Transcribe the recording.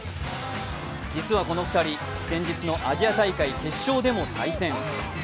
実はこの２人、先日のアジア大会決勝でも対戦。